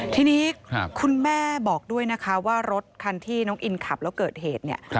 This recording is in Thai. ทีนี้คุณแม่บอกด้วยนะคะว่ารถคันที่น้องอินขับแล้วเกิดเหตุเนี่ย